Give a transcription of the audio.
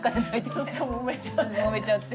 ちょっともめちゃって。